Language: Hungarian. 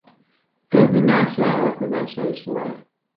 Több más vállalkozása is volt.